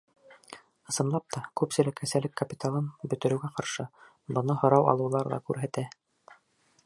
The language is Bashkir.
Ысынлап та, күпселек әсәлек капиталын бөтөрөүгә ҡаршы, быны һорау алыуҙар ҙа күрһәтә.